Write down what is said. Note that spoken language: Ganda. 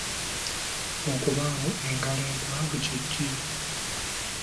Okubaamu engalo empanvu kye ki?